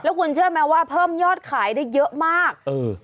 คุณเชื่อไหมว่าเพิ่มยอดขายได้เยอะมาก